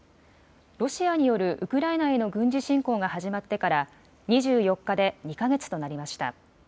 ロシアによるウクライナへの軍事侵攻が始まってから２４日で２か月となりました。